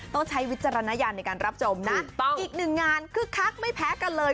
ใช้วิจารณญาณในการรับชมนะอีกหนึ่งงานคึกคักไม่แพ้กันเลย